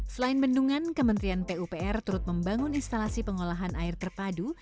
selain bendungan kementerian pupr turut membangun instalasi pengolahan air terpadu